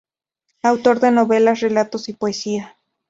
Autor de novelas, relatos y poesía.